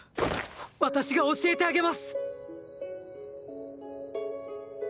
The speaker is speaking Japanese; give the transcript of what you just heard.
私が教えてあげます！